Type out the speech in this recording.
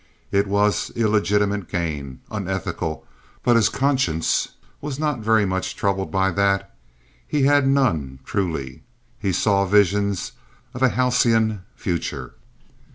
It was illegitimate gain, unethical; but his conscience was not very much troubled by that. He had none, truly. He saw visions of a halcyon future.